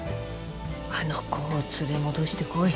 あの子を連れ戻してこい。